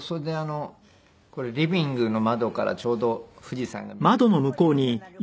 それでこれリビングの窓からちょうど富士山が見えるんです。